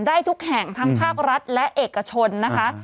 ได้ทุกแห่งทั้งภาครัฐและเอกชนนะคะ